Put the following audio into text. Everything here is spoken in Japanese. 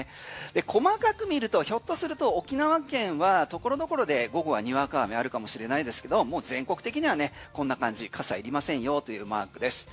細かく見るとひょっとすると沖縄県は所々で午後はにわか雨あるかもしれないですけども全国的にはこんな感じ傘入りませんよというマークです。